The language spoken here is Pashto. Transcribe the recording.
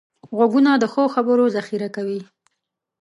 غوږونه د ښو خبرو ذخیره کوي